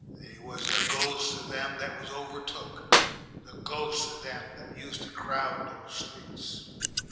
They was the ghosts of them that was overtook, the ghosts of them that used to crowd those streets.